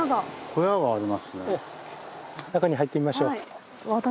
中に入ってみましょう。